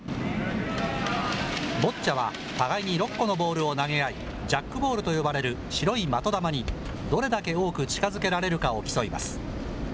ボッチャは互いに６個のボールを投げ合い、ジャックボールと呼ばれる白い的玉に、どれだけ多く近づけられるかを競います。